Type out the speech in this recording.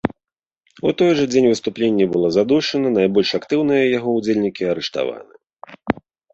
У той жа дзень выступленне было задушана, найбольш актыўныя яго ўдзельнікі арыштаваны.